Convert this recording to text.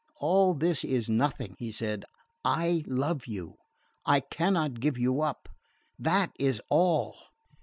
"All this is nothing," he said. "I love you. I cannot give you up. That is all."